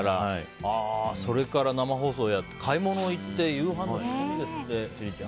それから生放送やって買い物行って夕飯の仕込みですって千里ちゃん。